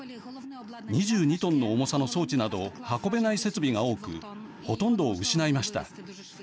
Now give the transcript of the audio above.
２２トンの重さの装置など運べない設備が多くほとんどを失いました。